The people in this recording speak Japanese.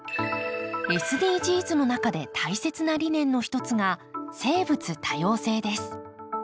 ＳＤＧｓの中で大切な理念の一つが生物多様性です。